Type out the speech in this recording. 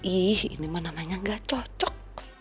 ih ini mah namanya gak cocok